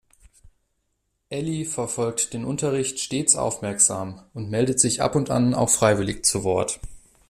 Elli verfolgt den Unterricht stets aufmerksam und meldet sich ab und an auch freiwillig zu Wort.